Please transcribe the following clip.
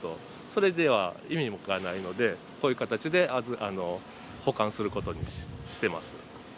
それでは意味がないので、こういう形で保管することにしてます。